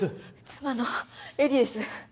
妻の絵里です